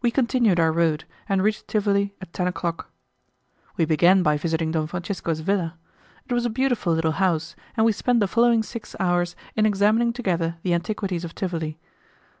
We continued our road, and reached Tivoli at ten o'clock. We began by visiting Don Francisco's villa. It was a beautiful little house, and we spent the following six hours in examining together the antiquities of Tivoli.